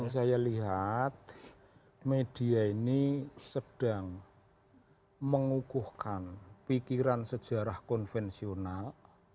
saya lihat media ini sedang mengukuhkan pikiran sejarah konvensional